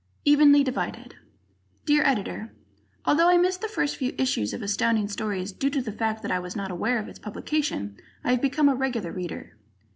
"Evenly Divided" Dear Editor: Although I missed the first few issues of Astounding Stories due to the fact that I was not aware of its publication, I have become a regular reader.